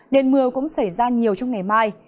điện mưa cũng xảy ra nhiều trong ngày mai